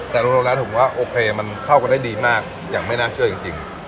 แต่รวมแล้วผมว่าโอเคมันเข้ากันได้ดีมากอย่างไม่น่าเชื่อจริง